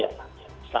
selamat malam pak